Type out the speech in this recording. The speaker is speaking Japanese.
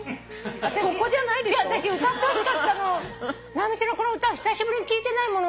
直美ちゃんのこの歌久しぶり聴いてないもん。